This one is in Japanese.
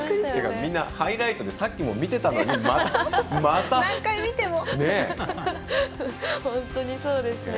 みんなハイライトでさっきも見てたのにまたびっくりするという。